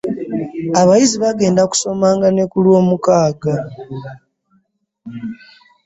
Abayizi bagenda kusoma nga ne kulwomukaaga.